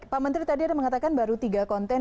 pak menteri tadi ada mengatakan baru tiga konten